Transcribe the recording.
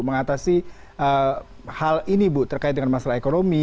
mengatasi hal ini bu terkait dengan masalah ekonomi